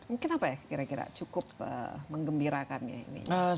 mungkin apa ya kira kira cukup mengembirakan ya ini